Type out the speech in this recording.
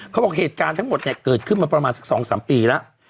เขาบอกเหตุการณ์ทั้งหมดเนี่ยเกิดขึ้นมาประมาณสัก๒๓ปีแล้ว